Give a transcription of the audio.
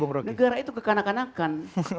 negara itu kekanakan kanakan